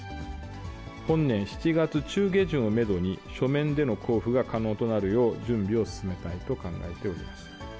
本年７月中下旬をメドに、書面での交付が可能となるよう準備を進めたいと考えております。